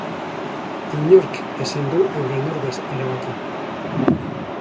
Inork ezin du euren ordez erabaki.